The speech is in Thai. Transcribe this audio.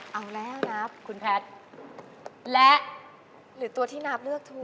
เอาแล้วนับคุณแพทย์และหรือตัวที่นับเลือกถูก